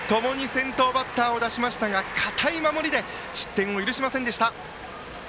共に先頭バッターを出しましたが堅い守りで失点を許しませんでした。